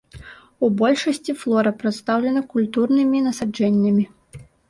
У большасці флора прадстаўлена культурнымі насаджэннямі.